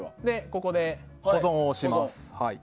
ここで保存を押します。